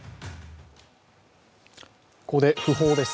ここで訃報です。